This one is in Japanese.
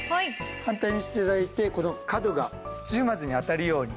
反対にして頂いてこの角が土踏まずに当たるようにのせていきます。